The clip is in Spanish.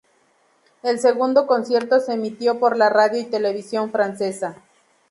El segundo concierto se emitió por la radio y televisión francesa.